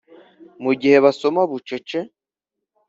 Mu gihe basoma bucece